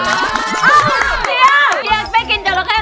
เตียงไม่กินจอระเท้เหรอ